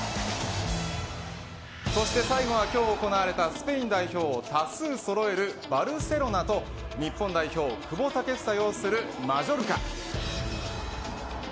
そして最後は今日行われたスペイン代表を多数そろえるバルセロナと日本代表、久保建英ようするマジョルカ。